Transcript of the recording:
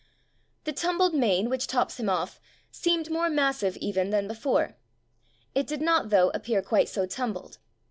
The tumbled mane which tops him off seemed more massive even than be fore. It did not, though, appear quite so tumbled.